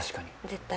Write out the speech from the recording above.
絶対。